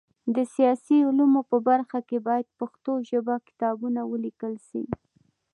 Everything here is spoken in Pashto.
د سیاسي علومو په برخه کي باید په پښتو ژبه کتابونه ولیکل سي.